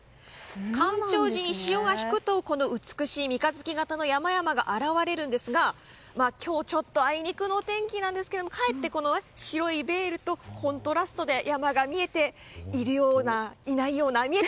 干潮時に潮が引くと美しい三日月形の山々が現れるんですが今日はちょっとあいにくのお天気なんですが白いベールとコントラストで山が見えているようないないような。